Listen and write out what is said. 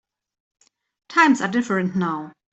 Times are different now.